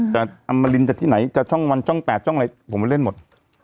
อัมมารินจะที่ไหนจะช่องวันช่อง๘ช่องอะไรผมไปเล่นหมด